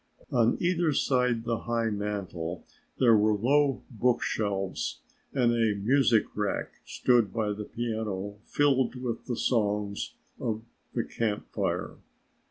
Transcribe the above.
On either side the high mantel there were low book shelves and a music rack stood by the piano filled with the songs of the Camp Fire.